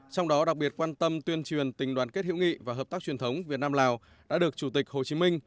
trong đó đặc biệt quan tâm tuyên truyền tình đoàn kết hữu nghị và hợp tác truyền thống việt nam lào đã được chủ tịch hồ chí minh